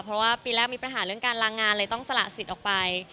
เพราะว่าปีแรกมีปัญหาเรื่องการลางานเลยต้องสละสิทธิ์ออกไป